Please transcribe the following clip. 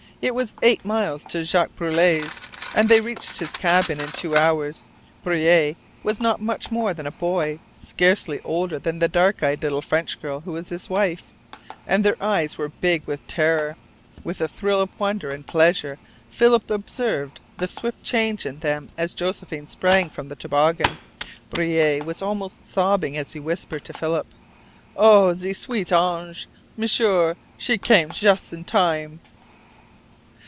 It was eight miles to Jac Breuil's, and they reached his cabin in two hours. Breuil was not much more than a boy, scarcely older than the dark eyed little French girl who was his wife, and their eyes were big with terror. With a thrill of wonder and pleasure Philip observed the swift change in them as Josephine sprang from the toboggan. Breuil was almost sobbing as he whispered to Philip: "Oh, ze sweet Ange, M'sieur! She cam jus' in time."